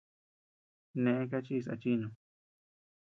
Nee kachis achinu.